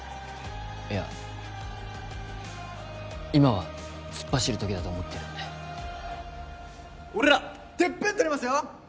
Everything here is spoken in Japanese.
いや今は突っ走る時だと思ってるんで俺らてっぺんとりますよ！